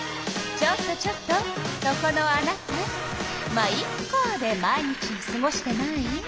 ちょっとちょっとそこのあなた「ま、イッカ」で毎日をすごしてない？